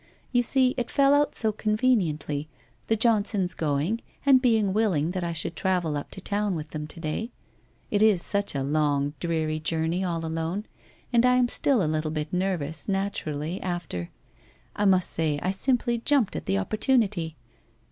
You see, it fell out so conveniently, the Johnsons going and being willing that I should travel up to town with them to day. It is such a long, dreary journey all alone, and I am still a little bit nervous, naturally, after — I must say I simply jumped at the opportunity.'